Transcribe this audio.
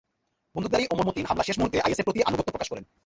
বন্দুকধারী Omar Mateen হামলার শেষ মুহূর্তে আইএসের প্রতি আনুগত্য প্রকাশ করেন।